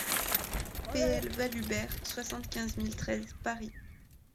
PL VALHUBERT, soixante-quinze mille treize Paris